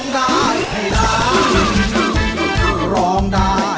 คือร้องได้ให้ร้อง